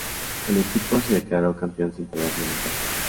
El equipo de se declaró campeón sin perder ningún partido.